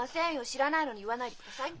知らないのに言わないでください。